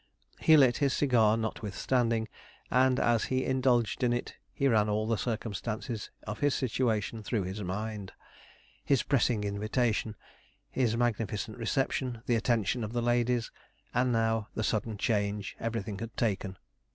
He lit his cigar notwithstanding; and, as he indulged in it, he ran all the circumstances of his situation through his mind. His pressing invitation his magnificent reception the attention of the ladies and now the sudden change everything had taken.